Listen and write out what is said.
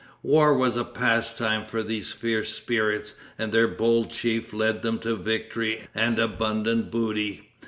War was a pastime for their fierce spirits, and their bold chief led them to victory and abundant booty.